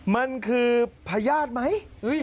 มันคือพญาติไหม